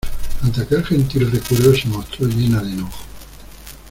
ante aquel gentil recuerdo se mostró llena de enojo.